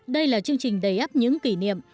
đây là chương trình đầy áp những kỷ niệm